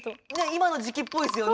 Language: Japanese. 今の時期っぽいですよね。